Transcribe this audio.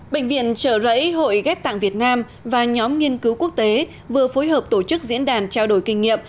bệnh viện trợ rẫy hội ghép tạng việt nam và nhóm nghiên cứu quốc tế vừa phối hợp tổ chức diễn đàn trao đổi kinh nghiệm